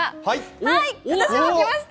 はーい、私もきました。